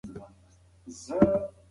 ژبه بايد د سيالۍ جوګه شي.